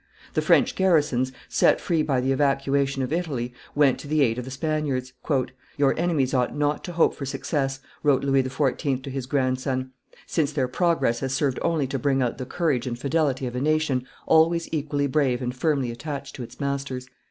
The French garrisons, set free by the evacuation of Italy, went to the aid of the Spaniards. "Your enemies ought not to hope for success," wrote Louis XIV. to his grandson, "since their progress has served only to bring out the courage and fidelity of a nation always equally brave and firmly attached to its masters.